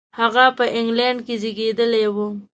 هغه په انګلېنډ کې زېږېدلی و.